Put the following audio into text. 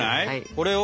これを。